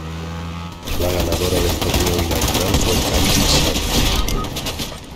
La ganadora del torneo inaugural fue Kairi Sane.